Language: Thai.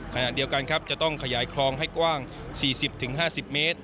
ขณะเดียวกันครับจะต้องขยายคลองให้กว้าง๔๐๕๐เมตร